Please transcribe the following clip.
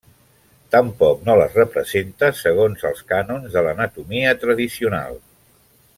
Tampoc no les representa segons els cànons de l'anatomia tradicional.